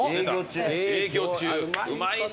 営魚中うまいね！